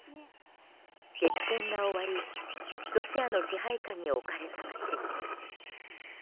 激戦が終わりロシアの支配下に置かれた街。